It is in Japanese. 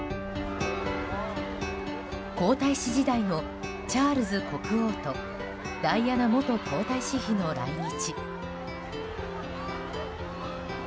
皇太子時代のチャールズ国王とダイアナ元皇太子妃の来日。